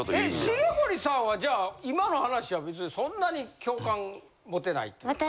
重盛さんはじゃあ今の話は別にそんなに共感持てないというか。